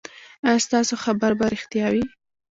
ایا ستاسو خبر به ریښتیا وي؟